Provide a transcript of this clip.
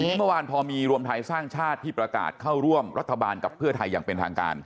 ทีนี้เมื่อวานพอมีรวมไทยสร้างชาติที่ประกาศเข้าร่วมรัฐบาลกับเพื่อไทยอย่างเป็นทางการ